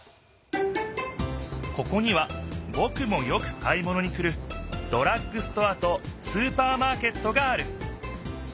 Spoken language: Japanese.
ここにはぼくもよく買いものに来るドラッグストアとスーパーマーケットがある。